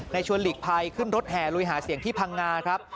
ชวนหลีกภัยขึ้นรถแห่ลุยหาเสียงที่พังงาครับ